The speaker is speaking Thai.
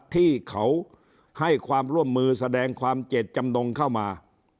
ที่เขาให้ความร่วมมือแสดงความเจ็ดจำนงเข้ามา